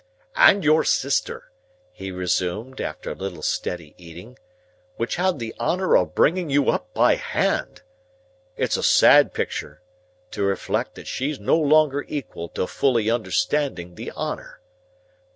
"And your sister," he resumed, after a little steady eating, "which had the honour of bringing you up by hand! It's a sad picter, to reflect that she's no longer equal to fully understanding the honour.